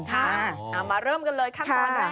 ค่ะมาเริ่มกันเลยขั้นตอนแรกล่ะอาจารย์